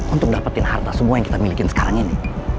untuk dapetin harta semua yang kita milikin sekarang ini